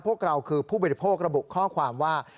พวกเราคือผู้บริโภคระบุข้อความว่า